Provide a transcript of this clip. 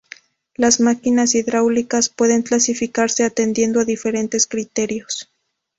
Las máquinas hidráulicas pueden clasificarse atendiendo a diferentes criterios.